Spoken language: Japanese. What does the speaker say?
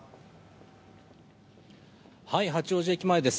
八王子駅前です。